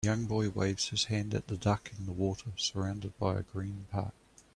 A young boy waves his hand at the duck in the water surrounded by a green park.